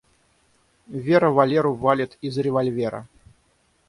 Вера Валеру валит из револьвера.